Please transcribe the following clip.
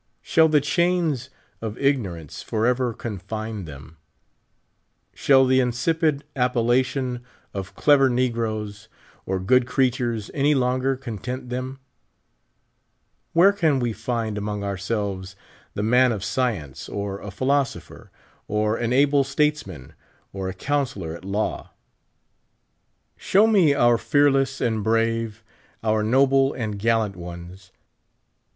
Shall the chains of ig norance forever confine them ? Shall the insipid appella tion of "clever negroes*' or "good creatures" any longer content them ? Where can we find among ourselves the man of science, or a philoso])her, or an able statesman, or a counsellor at law ? Sliow me our fearless and brave, ouj? noble '^nd gallant ones.